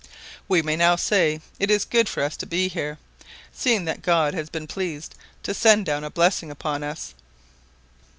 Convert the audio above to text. We may now say it is good for us to be here, seeing that God has been pleased to send down a blessing upon us."